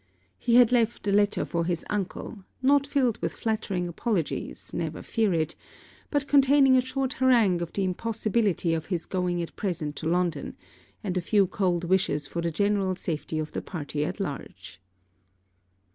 He had left a letter for his uncle, not filled with flattering apologies, never fear it, but containing a short harangue on the impossibility of his going at present to London, and a few cold wishes for the general safety of the party at large.